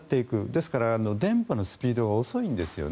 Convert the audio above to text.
ですから、伝播のスピードが遅いんですよね。